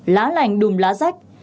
lá lành đùm lá rách